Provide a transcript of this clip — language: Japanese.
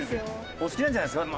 お好きなんじゃないですか？